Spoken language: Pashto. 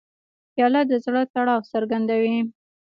پیاله د زړه تړاو څرګندوي.